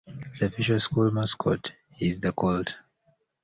The official school mascot is the Colt.